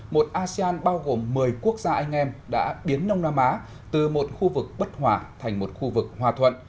một asean bao gồm một mươi quốc gia anh em đã biến đông nam á từ một khu vực bất hòa thành một khu vực hòa thuận